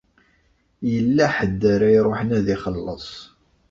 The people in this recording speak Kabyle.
Yella ḥedd ara iṛuḥen ad ixelleṣ.